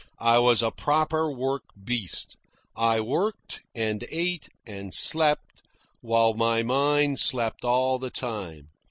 I was a proper work beast. I worked, and ate, and slept, while my mind slept all the time.